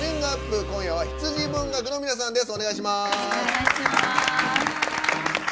今夜は羊文学の皆さんです。